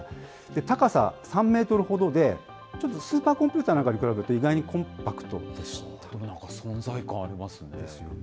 高さ３メートルほどで、ちょっとスーパーコンピューターなんかに比べると、意外にコンパクトですなんか存在感ありますね。